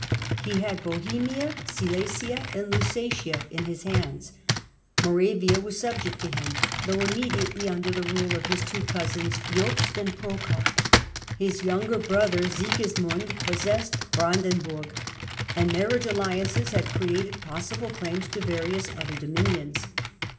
He had Bohemia, Silesia and Lusatia in his own hands, Moravia was subject to him, though immediately under the rule of his two cousins, Jobst and Prokop ; his younger brother Sigismund possessed Brandenburg, and marriage aUiances had created pos sible claims to various other dominions.